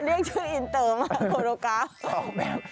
เรียกชื่ออินเตอร์มากโฟโรกราฟ